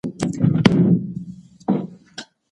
د دولت د زوال مخه نیول اړین کار دی.